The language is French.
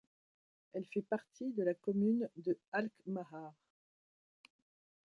Elle fait partie de la commune de Alkmaar.